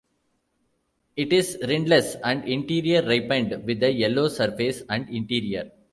It is rindless and interior-ripened with a yellow surface and interior.